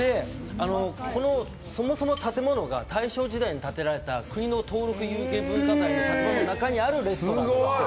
そもそも建物が大正時代に建てられた国の登録有形文化財の中にあるレストランなんです。